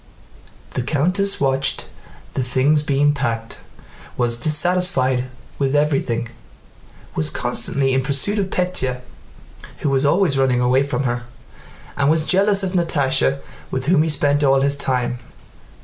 The countess watched the things being packed, was dissatisfied with everything, was constantly in pursuit of Pétya who was always running away from her, and was jealous of Natásha with whom he spent all his time.